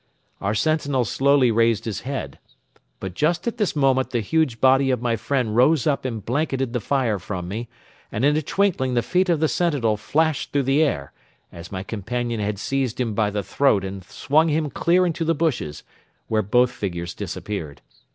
Our sentinel slowly raised his head. But just at this moment the huge body of my friend rose up and blanketed the fire from me and in a twinkling the feet of the sentinel flashed through the air, as my companion had seized him by the throat and swung him clear into the bushes, where both figures disappeared.